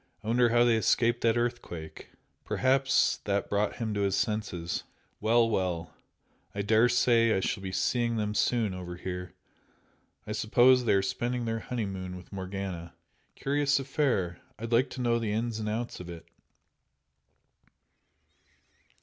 I wonder how they escaped that earthquake? Perhaps that brought him to his senses! Well, well! I daresay I shall be seeing them soon over here I suppose they are spending their honeymoon with Morgana. Curious affair! I'd like to know the ins and outs of it!"